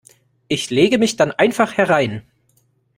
Ich lege mich dann einfach herein.